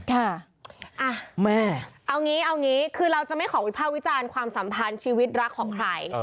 ค่ะแม่เอางี้เอางี้คือเราจะไม่ขอวิภาควิจารณ์ความสัมพันธ์ชีวิตรักของใคร